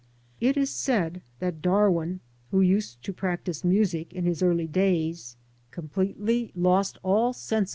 It is said that Darwin, who used to practise music in his early days, completely lost all sense of ;n me